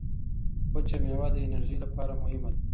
وچه مېوه د انرژۍ لپاره مهمه ده.